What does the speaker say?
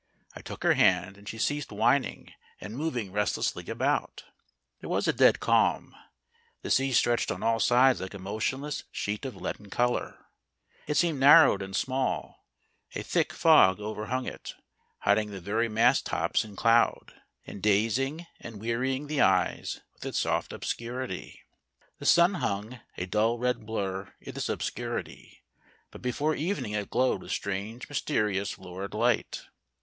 I took her hand, and she ceased whining and moving restlessly about. There was a dead calm. The sea stretched on all sides like a motionless sheet of leaden colour. It seemed narrowed and small ; a thick fog overhung it, hiding the very mast tops in 317 POEMS IN PROSE cloud, and dazing and wearying the eyes with its soft obscurity. The sun hung, a dull red blur in this obscurity ; but before evening it glowed with strange, mysterious, lurid light.